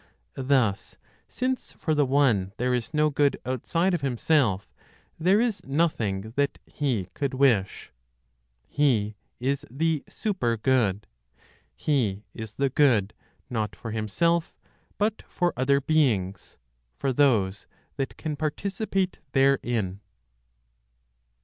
Thus, since for the One there is no good outside of Himself, there is nothing that He could wish. He is the super good; He is the good, not for Himself, but for other beings, for those that can participate therein.